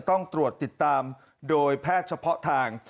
ต้องตรวจติดตามโดยแพทย์เฉพาะทาง